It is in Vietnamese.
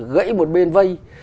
gãy một bên vây